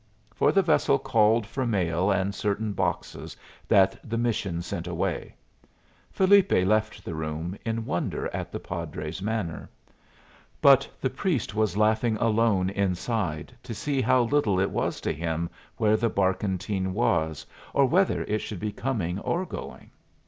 For the vessel called for mail and certain boxes that the mission sent away. Felipe left the room, in wonder at the padre's manner. But the priest was laughing alone inside to see how little it was to him where the barkentine was, or whether it should be coming or going.